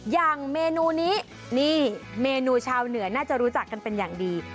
อย่างเมนูนี้นี่เมนูชาวเหนือน่าจะรู้จักกันเป็นอย่างดี